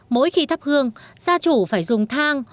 mỗi khi thắp hương gia chủ phải dùng thang